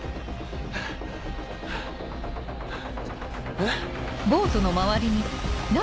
えっ？